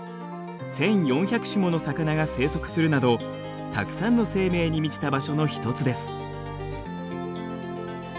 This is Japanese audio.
１，４００種もの魚が生息するなどたくさんの生命に満ちた場所の一つです。